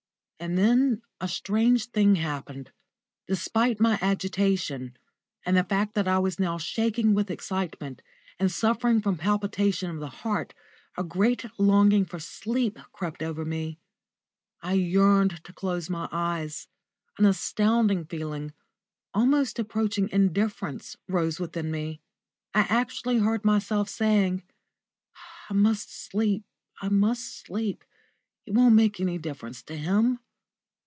And then a strange thing happened. Despite my agitation, and the fact that I was now shaking with excitement, and suffering from palpitation of the heart, a great longing for sleep crept over me. I yearned to close my eyes; an astounding feeling, almost approaching indifference, rose within me. I actually heard myself saying, "I must sleep, I must sleep; it won't make any difference to him."